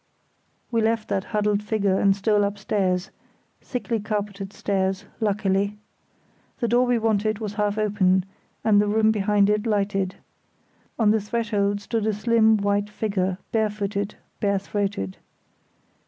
We left that huddled figure and stole upstairs—thickly carpeted stairs, luckily. The door we wanted was half open, and the room behind it lighted. On the threshold stood a slim white figure, bare footed; bare throated.